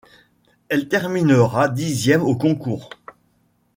Elle terminera dixième au concours.